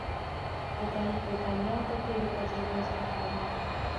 د تاریخ مطالعه د تېرو تجربو زده کړه ده.